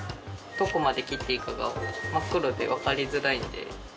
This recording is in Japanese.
どこまで切っていいかが真っ黒で分かりづらいので。